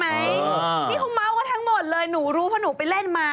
นี่เขาเมาส์กันทั้งหมดเลยหนูรู้เพราะหนูไปเล่นมา